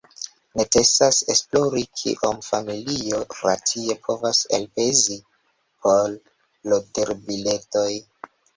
Necesas esplori kiom familio racie povas elspezi por loteribiletoj.